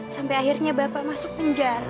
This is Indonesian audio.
sampai akhirnya bapak masuk penjara